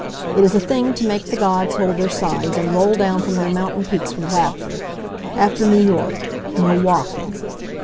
It is a thing to make the gods hold their sides and roll down from their mountain peaks with laughter. After New York Milwaukee!